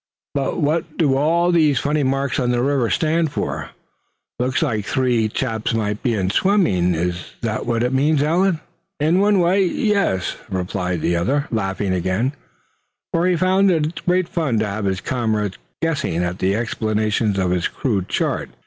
But what do all these funny marks on the river stand for? Looks like the three chaps might be in swimming. Is that what it means, Allan?" "In one way, yes," replied the other, laughing again, for he found it great fun to have his comrades guessing at the explanation of his crude chart.